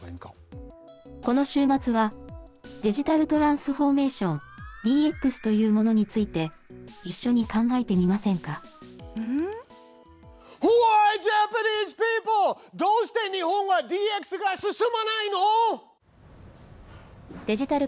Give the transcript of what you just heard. この週末はデジタルトランスフォーメーション・ＤＸというものについて、一緒に考えてみませホワイ・ジャパニーズ・ピープル？